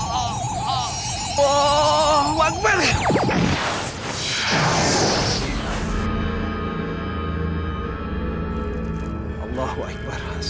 allahu akbar astagfirullahaladzim